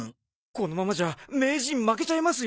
このままじゃ名人負けちゃいますよ。